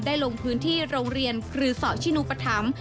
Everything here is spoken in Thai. ลงพื้นที่โรงเรียนครือสอชินุปธรรม